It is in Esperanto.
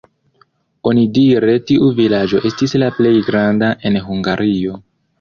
Onidire tiu vilaĝo estis la plej granda en Hungario.